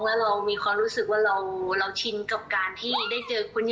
แล้วเรามีความรู้สึกว่าเราชินกับการที่ได้เจอคุณ